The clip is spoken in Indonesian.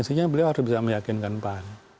pastinya beliau harus bisa meyakinkan pan